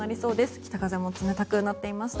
北風も冷たくなっていました。